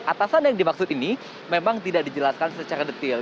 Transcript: atasan yang dimaksud ini memang tidak dijelaskan secara detail